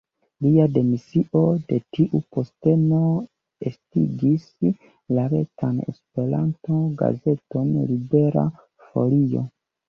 Lia demisio de tiu posteno estigis la retan Esperanto-gazeton Libera Folio.